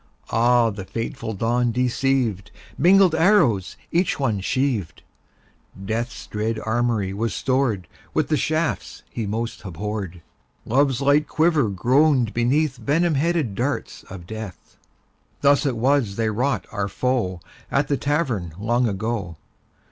Ah, the fateful dawn deceived! Mingled arrows each one sheaved; Death's dread armoury was stored With the shafts he most abhorred; Love's light quiver groaned beneath Venom headed darts of Death. Thus it was they wrought our woe At the Tavern long ago.